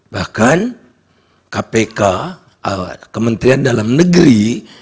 bahkan kpk kementerian dalam negeri